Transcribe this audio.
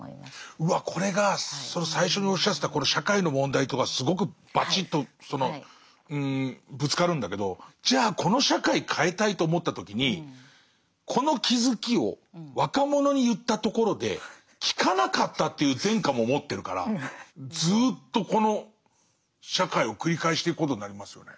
うわこれがその最初におっしゃってた社会の問題とがすごくバチッとそのぶつかるんだけどじゃあこの社会変えたいと思った時にこの気付きを若者に言ったところで聞かなかったという前科も持ってるからずっとこの社会を繰り返していくことになりますよね。